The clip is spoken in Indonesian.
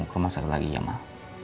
ke rumah sakit lagi ya mbak